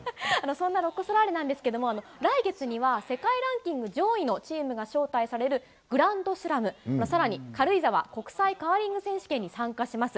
そんなロコ・ソラーレなんですけど、来月には、世界ランキング上位のチームが招待されるグランドスラム、さらに軽井沢国際カーリング選手権に参加します。